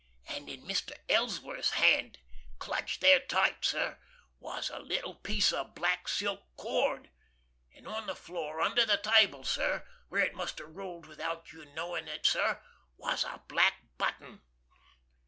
And in Mr. Ellsworth's hand, clutched there tight, sir, was a little piece of black silk cord, and on the floor, under the table, sir, where it must have rolled without you knowing it, sir, was a black button."